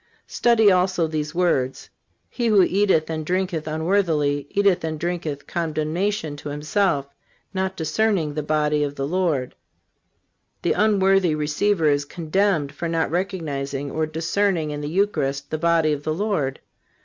Study also these words: "He who eateth and drinketh unworthily eateth and drinketh condemnation to himself, not discerning the body of the Lord." The unworthy receiver is condemned for not recognizing or discerning in the Eucharist the body of the Lord.